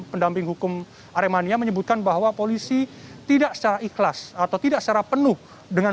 pendamping hukum aremania menyebutkan bahwa polisi tidak secara ikhlas atau tidak secara penuh dengan